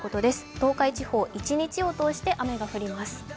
東海地方、一日を通して雨が降ります。